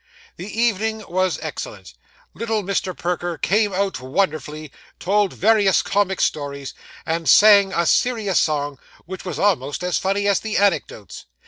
The evening was excellent. Little Mr. Perker came out wonderfully, told various comic stories, and sang a serious song which was almost as funny as the anecdotes.